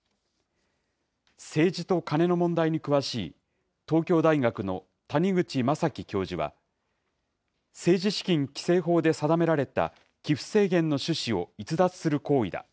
政治とカネの問題に詳しい東京大学の谷口将紀教授は、政治資金規正法で定められた寄付制限の趣旨を逸脱する行為だ。